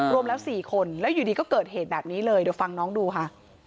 รวมแล้ว๔คนแล้วอยู่ดีก็เกิดเหตุแบบนี้เลยเดี๋ยวฟังน้องดูค่ะ